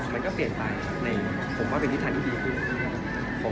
มันก็เปลี่ยนไปผมว่าเป็นทิศทางที่ดีขึ้น